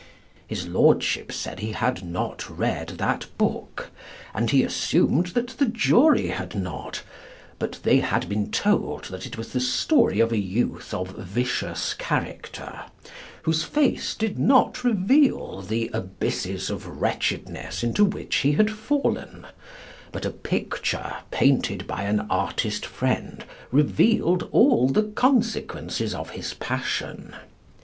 His lordship said he had not read that book, and he assumed that the jury had not, but they had been told it was the story of a youth of vicious character, whose face did not reveal the abysses of wretchedness into which he had fallen, but a picture painted by an artist friend revealed all the consequences of his passion.